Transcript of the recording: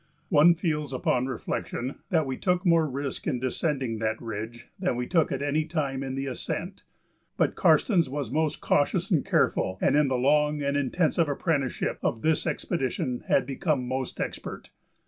One feels upon reflection that we took more risk in descending that ridge than we took at any time in the ascent. But Karstens was most cautious and careful, and in the long and intensive apprenticeship of this expedition had become most expert.